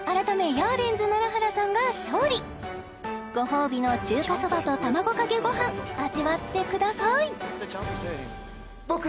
ヤーレンズ楢原さんが勝利ご褒美の中華そばと卵かけごはん味わってください！